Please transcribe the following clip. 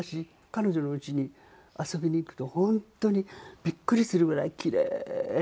彼女の家に遊びに行くと本当にびっくりするぐらい奇麗な。